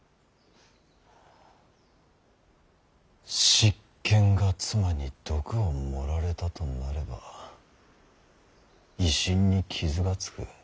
執権が妻に毒を盛られたとなれば威信に傷がつく。